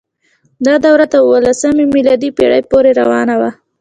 دا دوره تر اوولسمې میلادي پیړۍ پورې روانه وه.